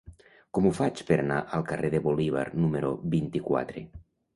Com ho faig per anar al carrer de Bolívar número vint-i-quatre?